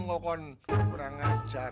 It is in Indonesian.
nggak akan kurang ajar